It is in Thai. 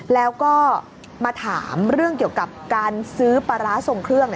แล้วก็มาถามเรื่องเกี่ยวกับการซื้อปลาร้าทรงเครื่อง